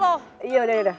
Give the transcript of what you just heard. yaudah yudah yudah